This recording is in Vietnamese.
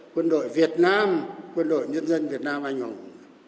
quân đội việt nam quân đội nhân dân việt nam anh hùng